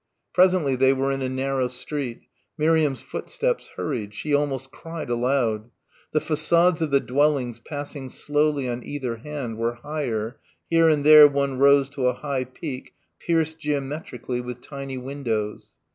Presently they were in a narrow street. Miriam's footsteps hurried. She almost cried aloud. The façades of the dwellings passing slowly on either hand were higher, here and there one rose to a high peak, pierced geometrically with tiny windows.